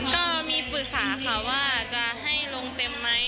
ก็มีปรึกษาค่ะว่าจะให้ลงเต็มไหม